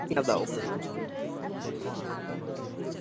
গুরু দক্ষিণা দাও।